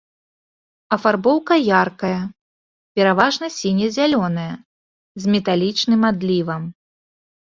Афарбоўка яркая, пераважна сіне-зялёная, з металічным адлівам.